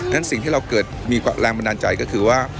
ฉะสิ่งที่เราเกิดมีแรงบันดาลใจก็คือว่า